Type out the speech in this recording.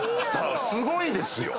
すごいですよ。